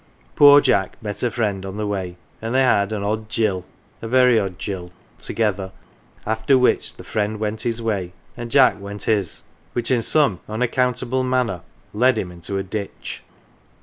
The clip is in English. Poor Jack met a friend on the way, and they had " an odd gill " (a very odd gill) together, after which the friend went his way and Jack went his which in some unaccountable manner led him into a ditch.